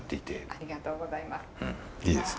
ありがとうございます。